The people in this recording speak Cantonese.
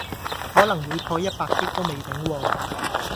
可能會破一百億都未頂喎